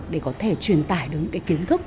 để có thể truyền tải được những kiến thức